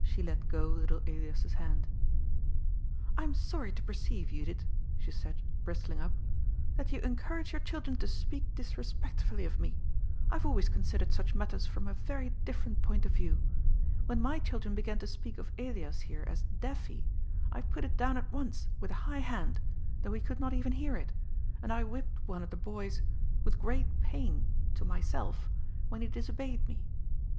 She let go little Elias's hand. " I am sorry to perceive, Judith," she said, bristling up, " that you encourage your children to speak disrespectfully of me. I have always considered such matters from a very different point of view. When my children began to speak of Elias here as * Deafy,' I put it down at once with a high hand, though he could not even hear it, and I whipped one of the boys, with great pain (to myself), when he dis obeyed me.